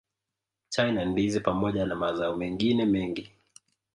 Chai na Ndizi pamoja na mazao mengine mengi